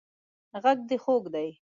غږ دې خوږ دی